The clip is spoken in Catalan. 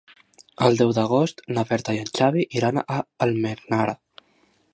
El deu d'agost na Berta i en Xavi iran a Almenara.